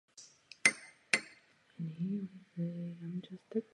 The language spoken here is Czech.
Tuto nabídku přijal a začal trénovat mladé hráče v Plzni.